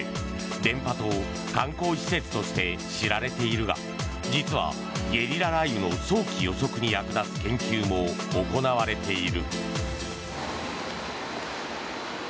電波塔、観光施設として知られているが実はゲリラ雷雨の早期予測に役立つ研究も行われている。